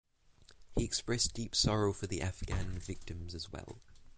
He expressed deep sorrow for the Afghan victims as well.